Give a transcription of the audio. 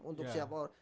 untuk siapa orang